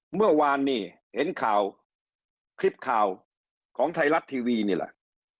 เมื่อวานนี้เห็นข่าวคลิปข่าวของไทยรัฐทีวีนี่แหละ